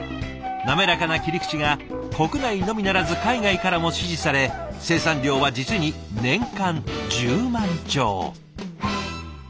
滑らかな切り口が国内のみならず海外からも支持され生産量は実に年間１０万丁。